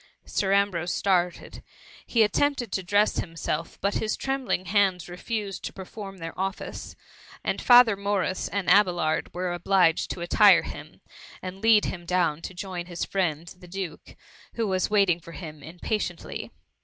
T Sir Ambrose started : he attempted to dress himself, but his trembling hands refused to perform their office, and Father Morris and Abelard were obliged to attire him, and lead him down to join his friend, the duke, who was waiting for him impatiently.